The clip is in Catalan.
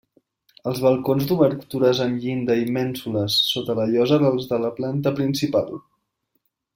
Els balcons d'obertures amb llinda i mènsules sota la llosa dels de la planta principal.